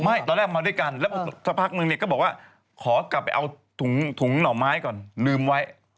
ตอนแรกมาด้วยกันแล้วสักพักนึงเนี่ยก็บอกว่าขอกลับไปเอาถุงหน่อไม้ก่อนลืมไว้